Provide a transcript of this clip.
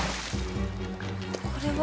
これは？